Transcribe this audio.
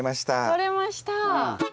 とれました。